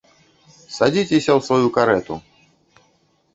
Садзіцеся ў сваю карэту!